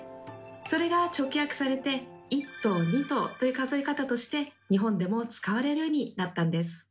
それが直訳されて１頭２頭という数え方として日本でも使われるようになったんです。